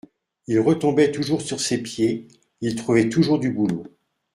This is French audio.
il retombait toujours sur ses pieds, il trouvait toujours du boulot